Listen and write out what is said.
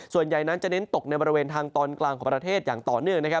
ส่วนใหญ่นั้นจะเน้นตกในบริเวณทางตอนกลางของประเทศอย่างต่อเนื่อง